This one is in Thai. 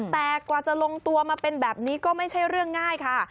แต่กว่าจะลงตัวมาเป็นแบบนี้ก็ไม่ใช่เรื่องง่ายค่ะ